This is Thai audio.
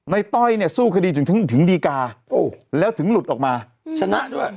ต้อยเนี่ยสู้คดีถึงดีกาแล้วถึงหลุดออกมาชนะด้วย